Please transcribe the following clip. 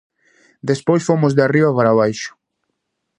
Despois fomos de arriba para abaixo.